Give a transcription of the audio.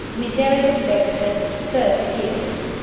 MISERRIMUS DEXTER FIRST VIEW.